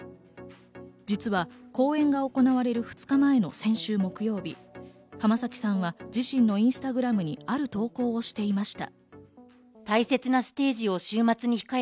実は公演が行われる２日前の先週木曜日、浜崎さんは自身のインスタグラムにある投稿をしていました。